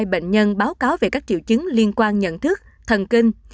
hai mươi bệnh nhân báo cáo về các triệu chứng liên quan nhận thức thần kinh